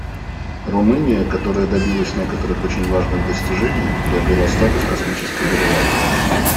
Румыния, которая добилась некоторых очень важных достижений, приобрела статус космической державы.